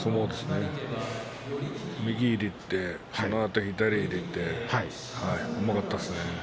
右を入れてそのあと左を入れてうまかったですね。